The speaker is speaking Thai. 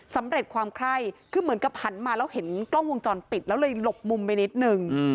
สำเร็จความไคร้คือเหมือนกับหันมาแล้วเห็นกล้องวงจรปิดแล้วเลยหลบมุมไปนิดนึง